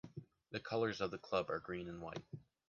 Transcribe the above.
The colors of the club are green and white.